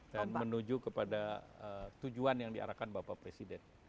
dan menuju kepada tujuan yang diarahkan bapak presiden